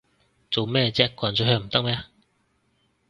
做咩唧個人取向唔得咩